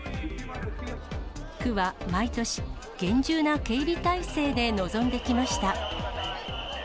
区は毎年、厳重な警備態勢で臨んできました。